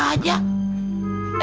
emang sebenernya kenapa sih